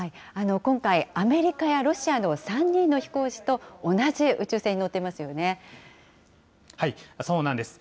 今回、アメリカやロシアの３人の飛行士と同じ宇宙船に乗ってそうなんです。